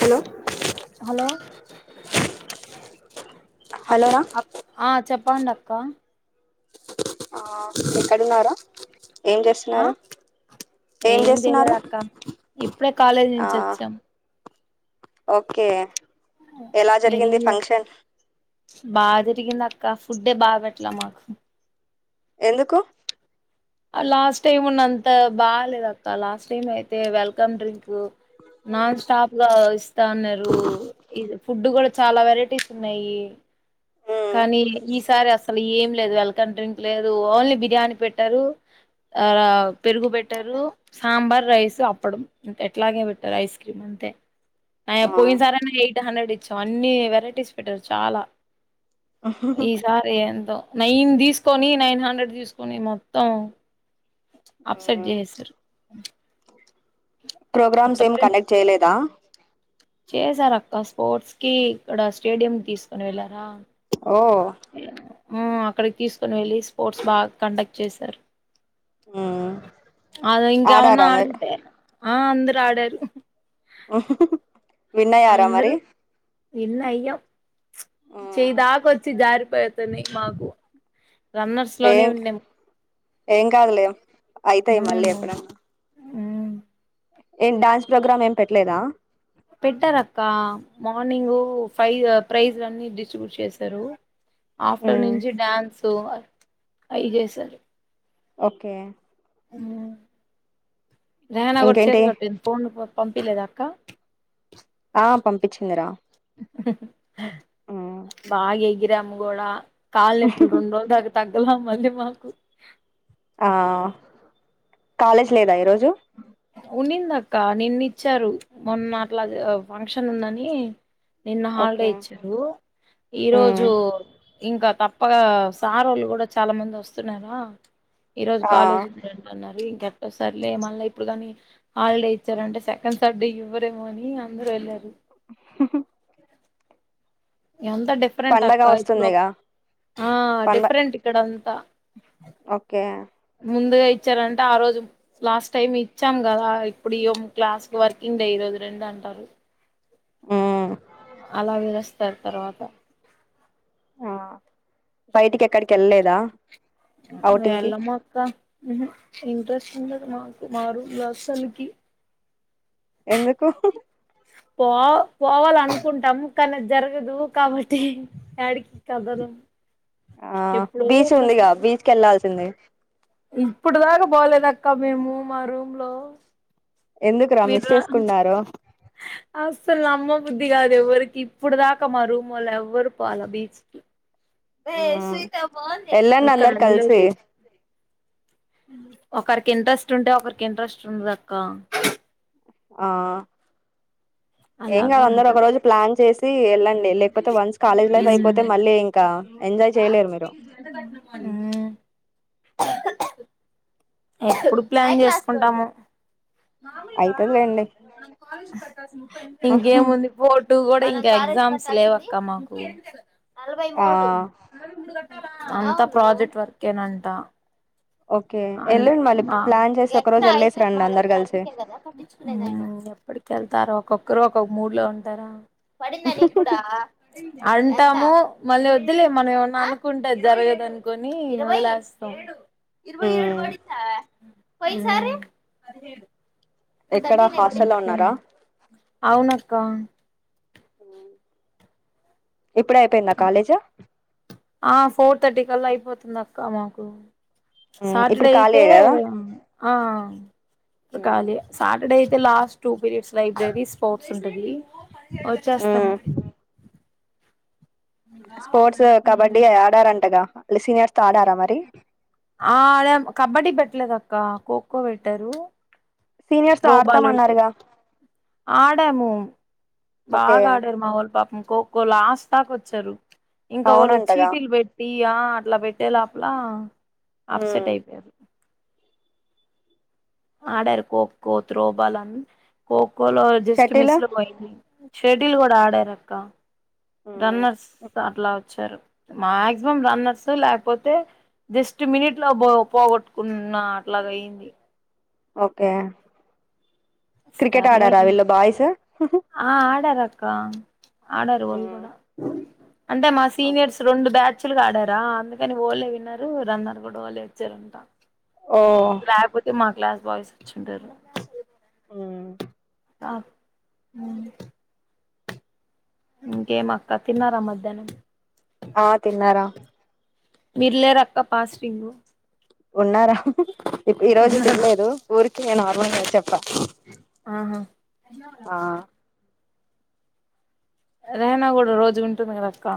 Hello hello హలోరా చె పండక్క ఆ ఎక్కడున్నారా ఏం ఆ చేస్తున్నారు ఏం చేయలేదు అక్క ఇప్పుడే కాలేజీ ఆ నుంచి వచ్చాము ఓకే ఎలా మీరేం జరిగింది చేస్త ఫంక్షన్ బాగా జరిగింది అక్క ఫుడ్డే బాగా పెట్టలా మాకు ఎందుకు లాస్ట్ టైమ్ ఉన్న అంత బాగాలేదు అక్క లాస్ట్ టైమ్ అయితే వెల్కమ్ డ్రింక్ నాన్ స్టాప్ గా ఇస్తాన్నారు ఇ ఫుడ్ కూడా చాలా వెరైటీస్ ఉన్నాయి మ్మ్ కానీ ఈసారి అసలు ఏం లేదు వెల్కమ్ డ్రింక్ లేదు ఓన్లీ బిర్యానీ పెట్టారు ఆ పెరుగు బెట్టరు సాంబార్ రైస్ అప్పుడు ఎట్లాగే పెట్టారు ఐస్ క్రీమ్ అంతే న ఆ పోయిన సారేనా ఎయిట్ హండ్రెడ్ ఇచ్చాం అన్ని వెరైటీస్ పెట్టారు చాలా ఈ సారి ఎంతో నైన్ తీసుకొని నైన్ హండ్రెడ్ తీసుకొని మొత్తం అప్సెట్ మ్మ్ చేససారు ప్రోగ్రామ్స్ ఏం కండక్ట్ చేయలేదా చేసారు అక్క స్పోర్ట్స్ కి ఇక్కడ స్టేడియం తీసుకుని వెళ్ళారా ఓ అక్కడికి తీసుకొని వెళ్ళి స్పోర్ట్స్ బాగా కండక్ట్ చేశారు మ్మ్ అద ఇంకేమన్నా ఆడారా మీరు అంటే ఆ అందరు ఆడారు విన్ అయ్యారా మరి అందరు ఇన్న అయ్యో మ్మ్ చేదాక వచ్చి జారి భతనే మాకు రన్నర్స్ లోనే ఉండేము ఎం కాదులే అయితాయి మళ్ళీ ఎప్పుడ ఉమ్ ఏం డాన్స్ ప్రోగ్రామ్ ఏం పెట్టలేదా పెట్టారు అక్క మార్నింగ్ ఫైవ్ ప్రైజ్లన్ని డిస్ట్రిబ్యూట్ చేశారు ఆఫ్టర్నూన్ మ్మ్ నుంచి డన్స్ సో అయి జేసారు ఓకే ఆ రేనా కూడా చేరు ఇంకేంటి కట్ పో పో పంపీ లేద అక్క ఆ పంపించింది రా బాగా యీ గిరామ గోళ కాల్ ఎత్తు మ్మ్ రెండు రోజులు నుంచి తగ చెలా మళ్ళీ మనకు ఆ కాలేజ్ లేదా ఈరోజు ఉన్నింద అక్క నిన్న ఇచ్చారు మొన్న అట్లా ఫంక్షన్ ఉందని నిన్న హాలిడే ఓకే ఇచ్చారు ఉమ్ ఈరోజు ఇంకా త ఒక సార్ వాళ్ళు కూడా చాలా మంది వస్తున్నారా ఈ రోజు ఆ కాలేజ్ ఉందంటన్నది కక్ట సర్లే మళ్ళీ ఇప్పుడు కానీ హాలిడే ఇచ్చారు అంటే సెకండ్ సండే ఇవ్వరేమో అని అందరూ వెళ్ళారు ఎంత డిఫరెంట్ పండగ అక్క ఇప్పుడు వస్తుందిగా ఆ పండ డిఫరెంట్ ఇక్కడ అంతా ఓకే ముందుగా ఇచ్చారంటే ఆ రోజు లాస్ట్ టైమ్ ఇచ్చాం కదా. ఇప్పుడు ఇం క్లాస్ క వర్కింగ్ డే ఈ రోజు రెండు అంటారు. ఆ అలా పిలుస్తారు తర్వాత బయటికి ఎక్కడికి వెళ్ళలేదా ఔటింగ్ కి ఎళ్ళము అక్క ఉహు ఇంట్రెస్ట్ అన్నది మాకు మారూంలో అసల్ కి ఎందుకు పో పోవాల అనుకుంటాం కానీ జరగదు కాబట్టి ఆ డికి కదలం ఆ ఎప్పుడో బీచ్ ఉందిగా ఒకసారి బీచ్ కి వెళ్లాల్సింది ఇప్పుడు దాకా పోలేదు అక్క అకా మేము మా రూమ్ లో ఎందుకురా మిస్ మీరా చేసుకున్నారు అసలు నమ్మ బుద్ధి కాదు ఎవరికి ఇప్పుడు దాకా మా రూము వాలు ఎవ్వరు పోల బీచ్ కి ఉమ్ వెళ్ళండి ఇక్కడ అందరు కలిసి వినలేదు ఒకరికి ఇంట్రెస్ట్ ఉంటే ఒకరికి ఇంట్రెస్ట్ ఉండద అక్క ఆ ఏం అలాగా కాదు అందరు ఒక ఉంటది రోజు ప్లాన్ చేసి వెళ్ళండి లేకపోతే వన్స్ కాలేజ్ లైఫ్ అయిపోతే మళ్ళీ ఇంకా ఎంజాయ్ చేయలేరు మీరు ఎప్పుడు ప్లాన్ చేసుకుంటాము మామూలుగా అయితదిలేండి మన కాలేజ్ పకాస్ ముప్పై ఎనిమిది ఇంకేముంది పో అటు కూడా ఇంక ఎగ్జామ్స్ లేవక్క మాకు నలభై ఆ మూడు మరి మీరు అంతా ప్రాజెక్ట్ వర్కేనంట ఓకే అందుకు ఎళ్ళండి మళ్ళీ ప్లాన్ చేసి ఒక రోజు ఎట్లో ఐదు ఎళ్ళేసి వేలు రండి మా అందరు దగ్గర కలిసి అందుకే కదా కట్టిచ్చుకునేది ఎప్పడికి వెళ్తారొ ఒక ఒకక్కరు ఒకో మూడ్ లో ఉంటారా పడిందా నీక్కూడా పడి అంటాము మళ్ళీ వద్దులే మనం ఏమన్నా అనుకుంటే అది జరగదనుకొని ఇ వదిలేస్తాం వస్తాం ఇరవై ఏడు మ్మ్ పడిందా పోయిన్సారి పదిహేడు ఎక్కడ హాస్టల్లో ఉన్నారా అవునక్క ఇప్పుడే అయిపోయిందా కాలేజ్ ఆ ఫోర్ తర్టీ కల్లా అయిపోతు తుందక్క మాకు మ్మ్ ఇప్పుడు సాటర్డే అయితే ఖాళీయే కదా ఆ కాలియే సాట్ ఇక్కడ అయితే last two periods library sports ఉంటది మ్మ్ వచ్చేస్తాను స్పోర్ట్స్ కబడ్డీ ఆడారంటగా అ సీనియర్స్ తో ఆడారా మరి ఆ అదే కబడ్డీ పెట్టలేదక్క క ఖోఖో పెట్టారు సీనియర్స్ తో త్రోబాల్ ఆడతామన్నారుగా పెట్టారు ఆడాము ఓకే బాగా ఆడారు మా వాళ్ళు పాపము ఖోఖో లాస్ట్ దాకొచ్చారు ఇంక వాళ్ళు అవునంటగా చీటిలు పెట్టి యా అట్లా పెట్టేలోపలా అప్సెట్ మ్మ్ అయిపోయారు ఆడారు ఖోఖో త్రోబాల్ అన్ని కో ఖోఖోలో జష్ట్ షటిల్ మిస్లో పోయింది షెటిల్ కూడా ఆడారక్క హ్మ్ రన్నర్స్ అట్లా చాటారు మాక్సిమం రన్నర్స్ లేకపోతే జస్ట్ మినిట్ లో పోగొట్టుకున్న అట్లాగ అయింది ఓకే క్రికెట్ సర్లే ఆడారా వీళ్ళ బాయ్స్ హ్ హు క్క ఆడారు వాల్ కూడా అంటే మా సీనియర్స్ రెండు బ్యా చ్ల్గ ఆడారా అందుకని వోళ్ళే విన్నారు. రన్నారు కూడా వోళ్ళే వచ్చారంట. ఓ రాయపోతే మా క్లాస్ బాయ్స్ ఇచ్చుంటారు ఉ ఆ ఉ ఇంకేం అక్క తిన్నారా మధ్యాహ్నం ఆ తిన్నారా మిర్లే ఆక్క పాస్టింగు ఉన్నారా ఈ రోజు ఉన్నాను తినలేదు ఊరికే ఆ నార్మలుగా చెప్ప ఆహా ఎం కావాలి అక్షయ కి రేనా కూడా రోజు ఉంటమేక్క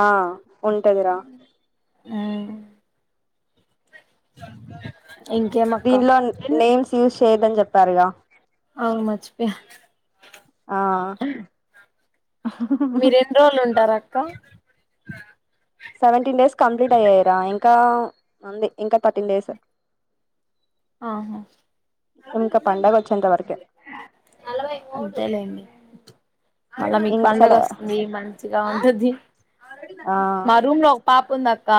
ఆ ఉంటదిరా ఉమ్ ఇంకేమక్క దీనిలో నేమ్స్ యూజ్ చేయ్యదని చెప్ సరే రా అవున్ మరచ్చిపోయా ఆ మీ ఎన్ని రోజులు ఉంటారా క్క సెవెంటీన్ డేస్ కంప్లీట్ అయ్యాయి రా ఇంకా అంది ఇంకా థర్టీన్ డేస్ ఆహా ఇంకా పండగ వచ్చేంత వరకే అంతలే అండి మళ్ళా మీకు పండగ ఇంసల వస్తుంది మంచిగా ఉంటది ఆ మా రూమ్ లో పాప ఉందక్క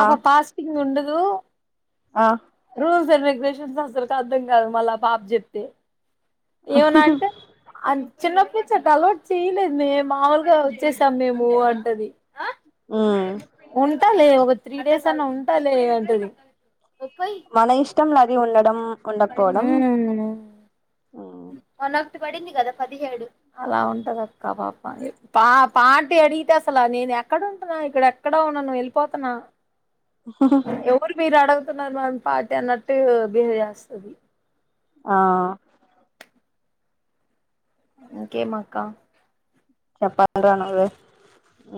ఆ పాస్టింగ్ ఉండాదు దు ఆ రూల్స్ అండ్ రెగ్యులేషన్స్ అస్సల్కు అర్ధం కాదు పాప చెప్తే ఏమనా అంటే అం చిన్నప్పుడు ముచ్చట్ అలవాటు చేయలేదు. మేము మాముూలుగా వచ్చేసాం. మేము అంటది. మ్మ్ ఉంటాలే ఒక త్రీ డేస్ అన్నా ఉంటాలే అంటది ముప్పై మన ఇష్టం లే అది ఉండడం ఉండకపోవడం ఉమ్, వన్ ఒకటి పడింది కదా పదిహేడు అలా ఉంటది అక్క ఆ పాప పా పాటి అడిగితే అసలు నేను ఎక్కడ ఉంటన్నా ఇక్కడ ఎక్కడ ఉండను వెళ్ళిపోతున్నా ఎవరు మీరా ఆడగ్ స్తున్నారు మం పార్టీ అన్నట్టు బిహేవ్ చేస్తది ఆ ఇంకేమాక్క చెప్పాలరా నువ్వే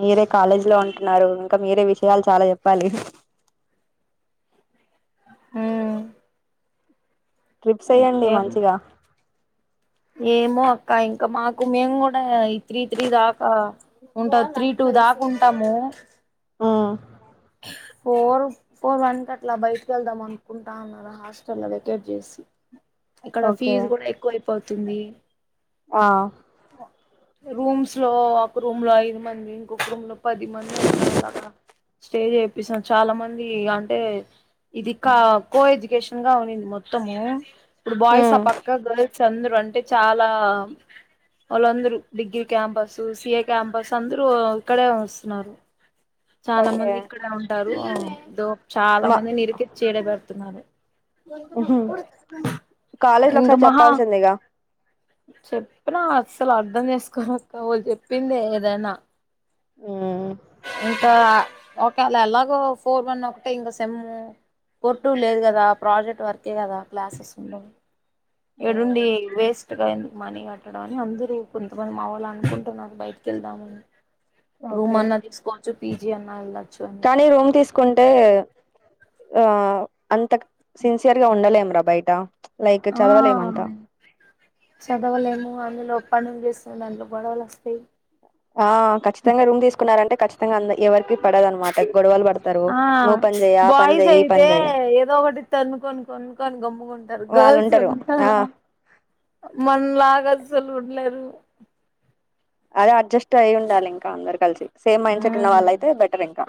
మీరే కాలేజీ లో ఉంటున్నారు ఇంకా మీరే విషయాలు చాలా చెప్పాలి మ్మ్ ట్రిప్స్ ఎయ్యండి మంచిగా ఏమో అక్క ఇంకా మాకు మేము కూడా ఈ త్రీ త్రీ దాకా ఉంటా త్రీ టూ దాకా ఉంటాము ఆ పోల్ ఫోర్ వన్ కి అట్లా బయటికి వెళ్దాం ఆన్ కుంటా ఉన్నారు హాస్టల్ లో పోయి వ్యాకేట్ చేసి ఇక్కడ ఓకే ఫీజ్ కూడా ఎక్కువయిపోతుంది ఆ రూమ్స్ లో ఒక రూమ్ లో ఐదు మంది ఇంకొక రూమ్ లో పది మంది ఉంటారు అలాగా స్టే చేపిసం చాలా మంది అంటే ఇది కా కో ఎడ్యుకేషన్ గా ఉనింది మొత్తము ఇప్పుడు బాయస్ ఆ ఉమ్ పక్క గర్ల్స్ అందరు అంటే చాలా వాళ్ళందరు degree campus C A campus అందరూ ఇక్కడే వస్తున్నారు చాలా ఓకే మంది ఇక్కడే ఉంటారు మ్మ్ దొ చాలా మంది నిరుకిచ్చి చేయలేదా తున్నారే హ్మ్మ్ కాలేజీలో ఒకసారి చెప్పాల్సిందిగా చెప్పిన అస్సలు అర్ధం చేసుకోరక్క వాళు చెప్పింది ఏదైనా ఉమ్ ఇంకా ఓకేలే ఎలాగో ఫోర్ వన్ ఒకటె ఇంకా సెమ్ ఫోర్ టూ లేదు కదా ప్రాజెక్ట్ వర్కే కదా క్లాసెస్ ఉండవ్ ఉమ్ ఇడుండి వేస్ట్గా ఎందుకు మనీ కట్టడం అని అందరు కొంతమంది మావొళ్ళు అనుకుంటున్నారు బయటికి వెళ్దామని ఓకే చు పీజీ అన్నా ఏళ్ళచ్ కానీ రూమ్ తీసుకుంటే ఆ అంత సిన్సియర్ గా ఉండలేంరా బయట లైక్ ఆ చదవలేమంత చదవలేము అందులో పనులు చేస్తు డాండ్లో గొడవలు వస్తాయి ఆ ఖచ్చితంగా రూమ్ తీసుకున్నారంటే కచ్చితంగా అందయి. ఆ నువ్వు పని చెయి ఆ పని బాయ్స్ చెయి ఈ అయితే పని చెయి ఏదో ఒకటి తన్నుకొని కొనుకొని గమ్ముకుంటరు. గర్ల్స్ వాళ్ళుంటారు ఉంటార ఆ మన లాగా అసల్ ఉండలేరు. అది అడ్జస్ట్ అయి ఉండాలి ఇంకా అందరు కలిసి. సేమ్ మైండ్ సెట్ ఉన్న ఉమ్ వాళ్ళ అయితే బెటర్ ఇంకా.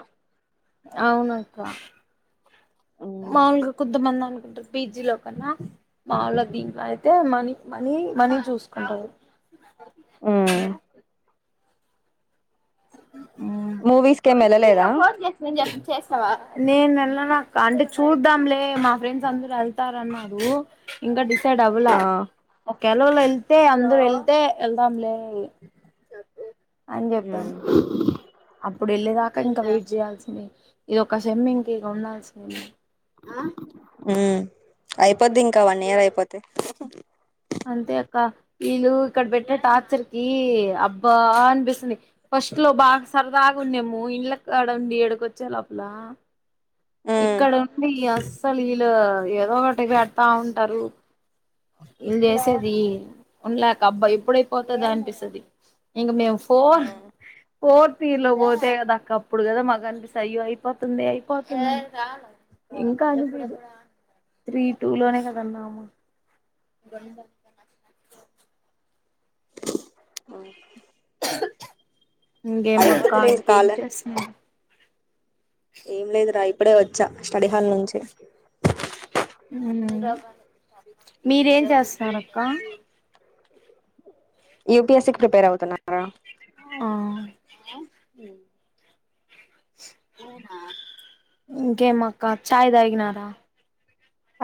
అవునక్క మాములుగా కొంత మంది అన్ కుంటారు పిజీ లో కన్నా మావుల దీంట్లో అయితే మనీ మనీ మనీ చూసుకుంటరు. ఆ మూవీస్కీ ఏం ఎళ్ళలేదా. చేస్తావా నేను వెళ్ళనక్క అంటే చూద్దాంలే మా ఫ్రెండ్స్ అందరు వెళ్తారన్నారు ఇంకా డిసై డ్ అవలా ఆ కేరళోలు వెళ్తే అందరం వెళ్తే ఎల్దాంలే. అని చెప్పాను. అప్పుడు వెళ్ళేదాకా ఇంకా వెయిట్ చేయాల్సిందే ఇదోక సెమ్ ఇంక ఇగా ఉండాల్సిందే. హ్ అయిపోద్ది ఇంకా వన్ ఇయర్ అయిపోతే. అంతే అక్క వీళ్ళు ఇక్కడ పెట్టే టార్చర్ కి అబ్బా అనిపిస్తుంది. ఫస్ట్ లో బాగా సరదాగా ఉండేము ఇండ్ల కాడ ఉండి ఇడుకొచ్చే లోపలా ఉమ్ ఇక్కడ ఉంది అస్ సలు వీళ్ళు ఏదో ఒకటి పెడతా ఉంటారు, వీళ్ళు చేసేది ఉండలేక అబ్బా ఎప్పుడైపోతది అనిపిస్తది. ఇగ మేము ఫోర్ ఫోర్ తీర్లో పోతే కదా అక్క అప్పుడు కదా మాకునిపిస్త అయ్యో అయిపోతుంది అయిపో ఇంకా అ త్రీ టూ లోనే కదా ఉన్నాము. ఆ ఇంకేం అక్కా అయిపోద్దిలే ఇంక ఇంకేం కాలే చేస్తున్నావ్. ఏం లేదురా ఇప్పుడే వచ్చా స్టడీ హాల్ నుంచి. హ్మ్ మీరేం చేస్తున్నారు అక్కా. యూపిఎస్సికి ప్రిపేర్ అవుతున్నారా. ఆ హ ఇంకేం అక్కా చాయ్ దాగినారా.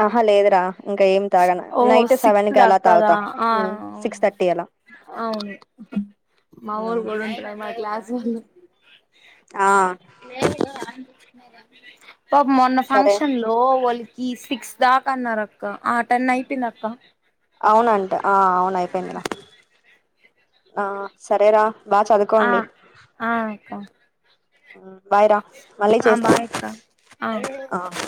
ఆహ లేదురా. ఇంకా ఏమి తాగన ఓ నైట్ సెవెన్ సిక్స్ కి అలా దాక్కదా తాగుతా ఆ అవును సిక్స్ థర్టీ అలా అవును హ్మ్ వా లేేవుగా అనిపించినయి గానీ మీ పాపం మొన్న సరే ఫంక్షన్ లో వాలి ఈ సిక్స్ దాకన్నారక్క. ఆహ్ టెన్ అయిపోందక్క. అవునంట. అవును అయిపోయిందిరా. ఆహ్ సరేరా. బాగా చదువుకోండి ఆహ్ ఆహ్ అక్క. ఉమ్ బాయ్ రా మళ్ళీ ఆ చేస్తా బాయ్ అక్క ఆ ఆహ్.